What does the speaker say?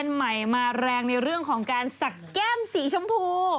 ใหม่มาแรงในเรื่องของการสักแก้มสีชมพู